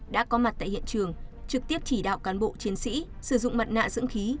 đã có mặt tại hiện trường trực tiếp chỉ đạo cán bộ chiến sĩ sử dụng mặt nạ dưỡng khí